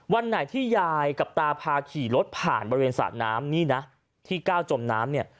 วันไหนที่ยายกับตาพาขี่รถผ่านบริเวณสระน้ำนี่นะที่ก้าวจมน้ำเนี่ย